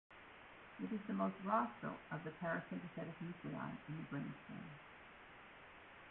It is the most rostral of the parasympathetic nuclei in the brain stem.